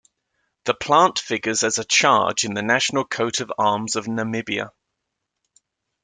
The plant figures as a charge in the national coat of arms of Namibia.